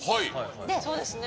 そうですね。